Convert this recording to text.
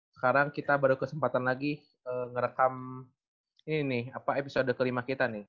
sekarang kita baru kesempatan lagi ngerekam ini nih episode kelima kita nih